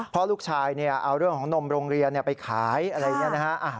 เพราะลูกชายเอาเรื่องของนมโรงเรียนไปขายอะไรอย่างนี้นะฮะ